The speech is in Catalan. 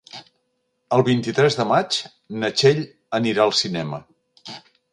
El vint-i-tres de maig na Txell anirà al cinema.